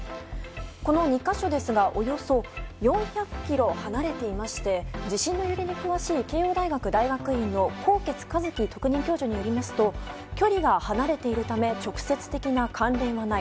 この２か所ですがおよそ４００ｋｍ離れていまして地震の揺れに詳しい慶應大学大学院の纐纈一起特任教授によりますと距離が離れているため直接的な関連はない。